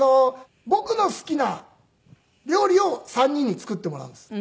僕の好きな料理を３人に作ってもらうんです。